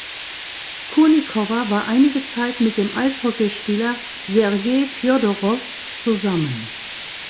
Kurnikowa war einige Zeit mit dem Eishockeyspieler Sergei Fjodorow zusammen.